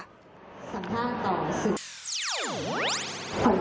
สัมภาษุตอบ๑๐โปรด